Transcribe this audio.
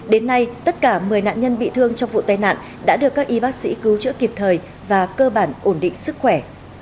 đến nay tất cả một mươi nạn nhân bị thương trong vụ tai nạn đã được các y bác sĩ cứu chữa kịp thời và cơ bản ổn định sức khỏe